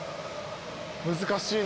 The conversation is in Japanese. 難しいな。